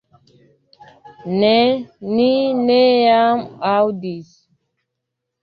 Ne, ni ne jam aŭdis